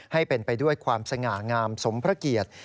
ให้เป็นไปด้วยความสง่างามสมพระเกียรติ